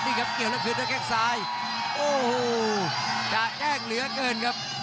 นี่ครับเกี่ยวแล้วคืนด้วยแข้งซ้ายโอ้โหจะแกล้งเหลือเกินครับ